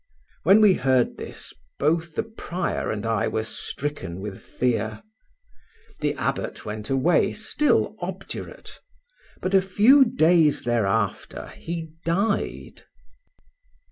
When we heard this both the prior and I were stricken with fear. The abbot went away still obdurate, but a few days thereafter he died.